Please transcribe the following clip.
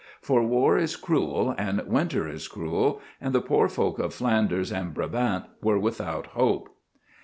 For war is cruel and winter is cruel, and the poor folk of Flanders and Brabant were without hope.